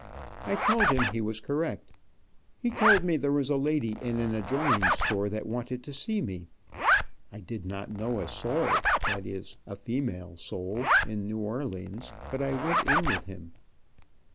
I told him he was correct. He told me there was a lady in an adjoining store that wanted to see me. I did not know a soul, that is, a female soul, in New Orleans, but I went with him.